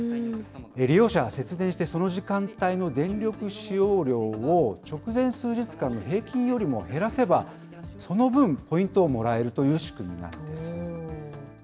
利用者は節電して、その時間帯の電力使用量を直前数日間の平均よりも減らせば、その分、ポイントをもらえるという仕組みなんです。